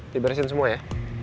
dibersihin semua ya